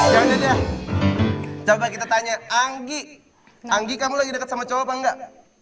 hai jangan coba kita tanya anggi anggi kamu lagi deket sama cowok enggak